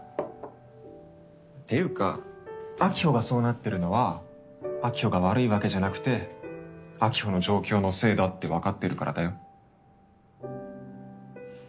ていうか晶穂がそうなってるのは晶穂が悪いわけじゃなくて晶穂の状況のせいだってわかってるからだよ。